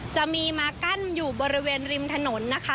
จะมีมากั้นอยู่บริเวณริมถนนนะคะ